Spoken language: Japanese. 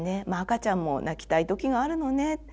「まあ赤ちゃんも泣きたい時があるのね。